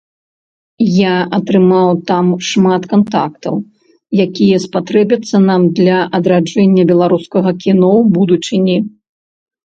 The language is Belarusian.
Я атрымаў там шмат кантактаў, якія спатрэбяцца нам для адраджэння беларускага кіно ў будучыні.